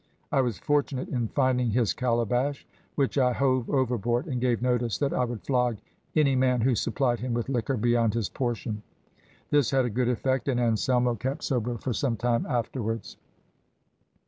I was fortunate in finding his calabash, which I hove overboard, and gave notice that I would flog any man who supplied him with liquor beyond his portion. This had a good effect, and Anselmo kept sober for some time afterwards.